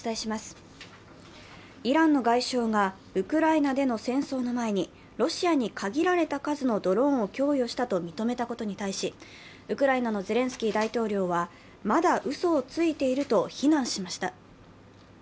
イランの外相がウクライナでの戦争の前にロシアに限られた数のドローンを供与したと認めたことに対しウクライナのゼレンスキー大統領はまだうそをついていると非難しました。